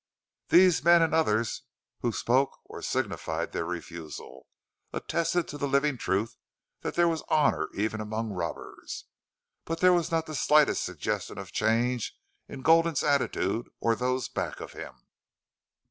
These men, and others who spoke or signified their refusal, attested to the living truth that there was honor even among robbers. But there was not the slightest suggestion of change in Gulden's attitude or of those back of him.